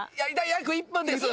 約１分です。